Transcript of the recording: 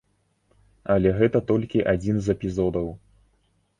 Але гэта толькі адзін з эпізодаў.